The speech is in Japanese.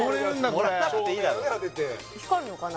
これ光るのかな？